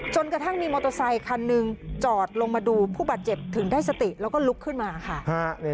จนกระทั่งมีมอเตอร์ไซคันหนึ่งจอดลงมาดูผู้บาดเจ็บถึงได้สติแล้วก็ลุกขึ้นมาค่ะ